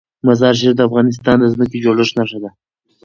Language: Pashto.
مزارشریف د افغانستان د ځمکې د جوړښت نښه ده.